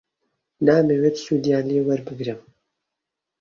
نامەوێت سوودیان لێ وەربگرم.